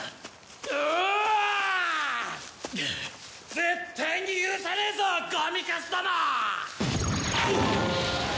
絶対に許さねえぞゴミカスども！！